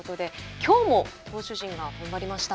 きょうも投手陣がふんばりました。